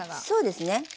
そうですね。